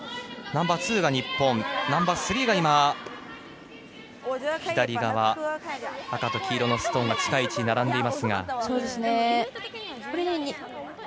ナンバーツーが日本ナンバースリーが赤と黄色のストーン近い位置に並んでいます。